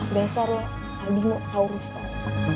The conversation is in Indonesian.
udah seru ya tadi mau saurus tau